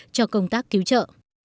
cho công tác cứu trợ